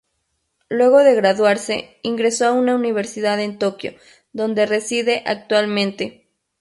Luego de graduarse, ingresó a una universidad en Tokio, donde reside actualmente.